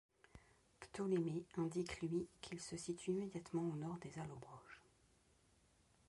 Ptolémée indique lui qu'ils se situent immédiatement au nord des Allobroges.